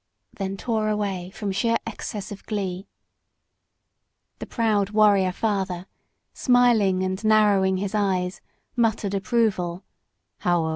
then tore away from sheer excess of glee. The proud warrior father, smiling and narrowing his eyes, muttered approval, "Howo!